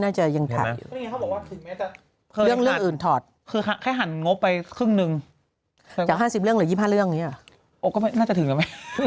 น่าจะถึงกันไหม